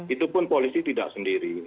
itu pun polisi tidak sendiri